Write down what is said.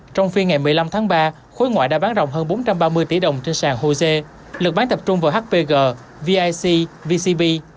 trong phiên ngày một mươi năm tháng ba khối ngoại đã bán rộng hơn bốn trăm ba mươi tỷ đồng trên sàn hosea lực bán tập trung vào hpg vic vcb